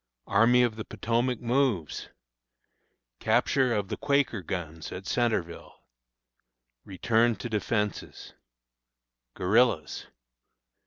Army of the Potomac Moves! Capture of the "Quaker Guns" at Centreville. Return to Defences. Guerillas.